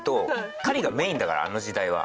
狩りがメインだからあの時代は。